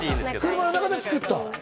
車の中で作った？